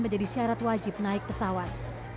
menjadi syarat wajib naik pesawat